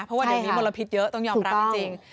เพราะว่าเดี๋ยวนี้มลพิษเยอะต้องยอมรับจริง